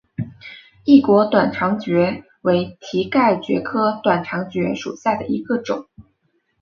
异果短肠蕨为蹄盖蕨科短肠蕨属下的一个种。